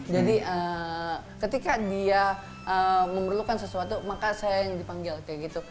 jadi ketika dia memerlukan sesuatu maka saya yang dipanggil kayak gitu